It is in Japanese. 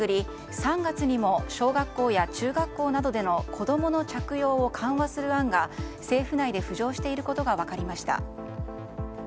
３月にも小学校や中学校での子供の着用を緩和する案が政府内で浮上していることが分かりました。